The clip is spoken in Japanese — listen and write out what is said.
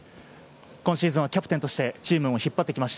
今シーズンはキャプテンとしてチームを引っ張ってきました。